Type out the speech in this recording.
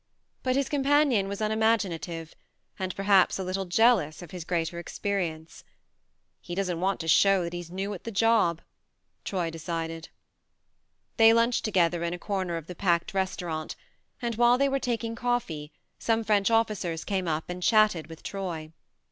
But his companion was unimaginative, and perhaps a little jealous of his greater experience. " He doesn't want to show that he's new at the job," Troy decided. They lunched together in a corner of the packed restaurant, and while they were taking coffee some French officers came up and chatted with Troy.